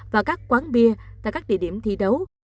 và các quán bia tại các địa điểm thi đấu